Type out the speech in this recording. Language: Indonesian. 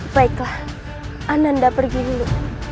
baiklah anda pergi dulu